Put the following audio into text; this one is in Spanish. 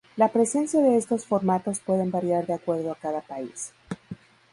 La presencia de estos formatos puede variar de acuerdo a cada país.